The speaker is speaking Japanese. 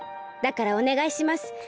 だからおねがいします。